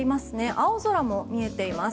青空も見えています。